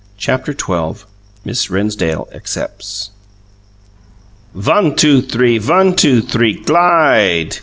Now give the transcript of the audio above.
CHAPTER XII MISS RENNSDALE ACCEPTS "One two three; one two three glide!"